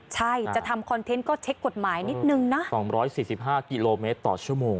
ใช่จะทำคอนเทนต์ก็เช็คกฎหมายนิดนึงนะ๒๔๕กิโลเมตรต่อชั่วโมง